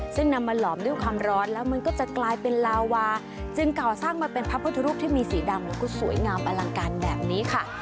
ซึ่งนำมาหลอมด้วยความร้อนแล้วมันก็จะกลายเป็นลาวาจึงก่อสร้างมาเป็นพระพุทธรูปที่มีสีดำแล้วก็สวยงามอลังการแบบนี้ค่ะ